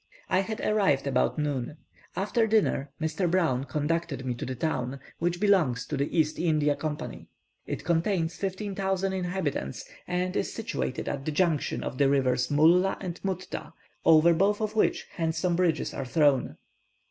I had arrived about noon. After dinner, Mr. Brown conducted me to the town, which belongs to the East India Company. It contains 15,000 inhabitants, and is situated at the junction of the rivers Mulla and Mutta, over both of which handsome bridges are thrown.